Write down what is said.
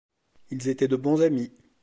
Ils étaient de bons amis.